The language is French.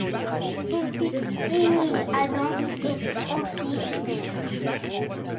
Son fils Emil Adam est aussi un peintre.